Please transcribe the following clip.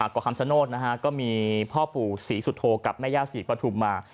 เกาะคำชโนธนะฮะก็มีพ่อปู่ศรีสุโธกับแม่ย่าศรีปฐุมมา